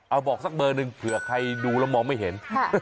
เอาบอกสักเบอร์หนึ่งเผื่อใครดูแล้วมองไม่เห็น